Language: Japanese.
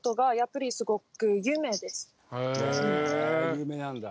有名なんだ。